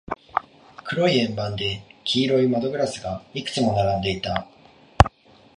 黒い円盤で、黄色い窓ガラスがいくつも並んでいた。